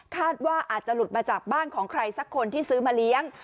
คาดว่าอาจจะหลุดมาจากบ้านของใครสักคนที่ซื้อมาเลี้ยง